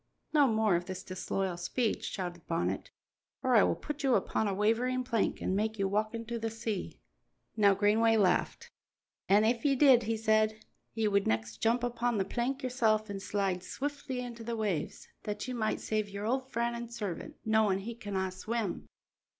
"No more of this disloyal speech," shouted Bonnet, "or I will put you upon a wavering plank and make you walk into the sea." Now Greenway laughed. "An' if ye did," he said, "ye would next jump upon the plank yoursel' an' slide swiftly into the waves, that ye might save your old friend an' servant, knowin' he canna swim."